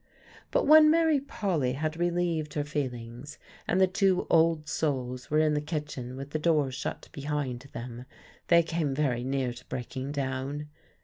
But when Mary Polly had relieved her feelings, and the two old souls were in the kitchen with the door shut behind them, they came very near to breaking down.